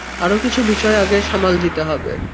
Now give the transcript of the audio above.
আরো কিছু বিষয় আগে সামাল দিতে হবে।